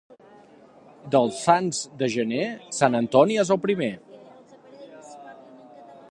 Dels sants de gener, Sant Antoni és el primer.